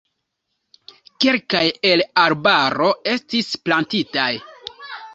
Kelkaj el la arbaro estis plantitaj.